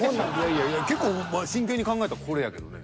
いやいや結構真剣に考えたらこれやけどね。